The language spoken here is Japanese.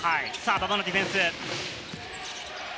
馬場のディフェンス。